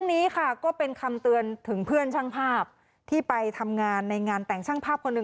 นี้ค่ะก็เป็นคำเตือนถึงเพื่อนช่างภาพที่ไปทำงานในงานแต่งช่างภาพคนหนึ่ง